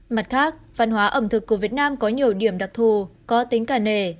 mặt khác văn hóa ẩm thực của việt nam có nhiều điểm đặc thù có tính cả nền